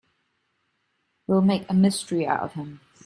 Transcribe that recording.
We'll make a mystery out of him.